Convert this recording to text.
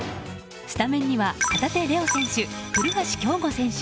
スタメンには旗手怜央選手、古橋亨梧選手